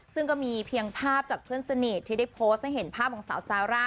ซึ่งก็มีเพียงภาพจากเพื่อนสนิทที่ได้โพสต์ให้เห็นภาพของสาวซาร่า